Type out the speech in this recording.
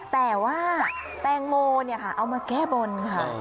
แต่ว่าแตงโมเอามาแก้บนค่ะ